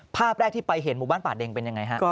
ภาพแรกที่ไปเห็นหมู่บ้านป่าเด็งเป็นยังไงฮะ